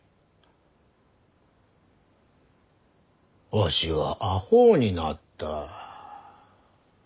わしはあほうになった。